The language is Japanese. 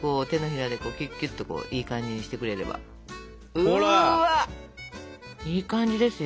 うわいい感じですよ